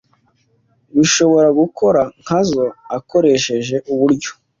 Bishobora gukora nkazo akoresheje uburyo